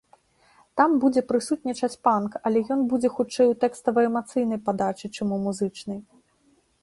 Там будзе прысутнічаць панк, але ён будзе хутчэй у тэкстава-эмацыйнай падачы, чым у музычнай.